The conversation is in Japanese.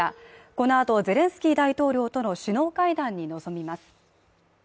このあとゼレンスキー大統領との首脳会談に臨みます。